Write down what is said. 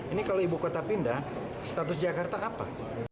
ini kalau ibu kota pindah status jakarta apa